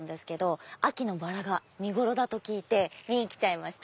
秋のバラが見頃だと聞いて見に来ちゃいました。